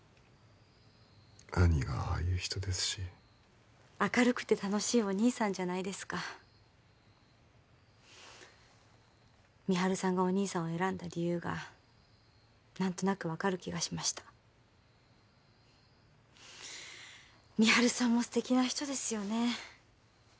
兄がああいう人ですし明るくて楽しいお義兄さんじゃないですか美晴さんがお義兄さんを選んだ理由が何となく分かる気がしました美晴さんも素敵な人ですよね